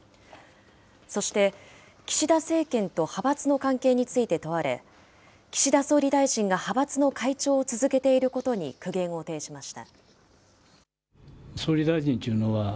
そして、岸田政権と派閥の関係について問われ、岸田総理大臣が派閥の会長を続けていることに苦言を呈しました。